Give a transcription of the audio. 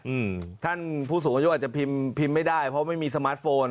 อืมท่านผู้สูงอายุอาจจะพิมพ์พิมพ์ไม่ได้เพราะไม่มีสมาร์ทโฟน